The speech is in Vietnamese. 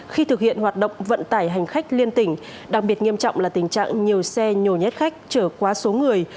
khi thực hiện hoạt động vận tải hành khách liên tỉnh đặc biệt nghiêm trọng là tình trạng nhiều xe nhồi nhét khách trở quá số người